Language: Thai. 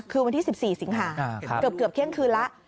คือวันที่๑๔สิงหาเกือบเที่ยงคืนแล้ว